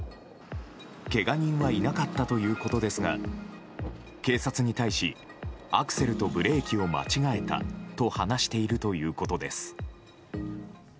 けが人はいなかったということですが警察に対しアクセルとブレーキを間違えたと話しているということです。